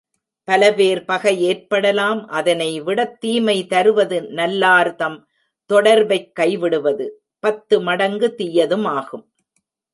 பலபேர் பகை ஏற்படலாம் அதனைவிடத் தீமை தருவது நல்லார்தம் தொடர்பைக் கைவிடுவது, பத்து மடங்கு தீயதும் ஆகும்.